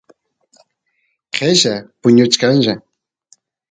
qella puñuchkanlla